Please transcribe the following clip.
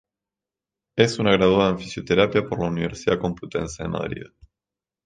Es graduada en fisioterapia por la Universidad Complutense de Madrid.